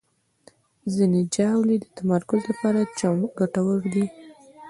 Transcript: ځینې ژاولې د تمرکز لپاره ګټورې دي.